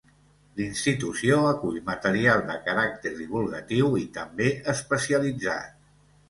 La institució acull material de caràcter divulgatiu i també especialitzat.